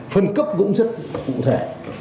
phân cấp cũng rất cụ thể